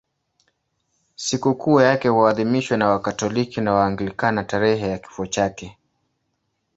Sikukuu yake huadhimishwa na Wakatoliki na Waanglikana tarehe ya kifo chake.